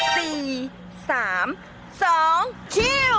คิวคิวอะไรของคุณนี่